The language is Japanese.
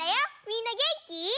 みんなげんき？